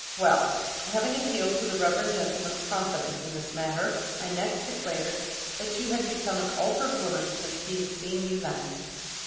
Well, having appealed to the reverend gentleman's confidence in this matter, I next declared that you had become an altered woman since he had seen you last.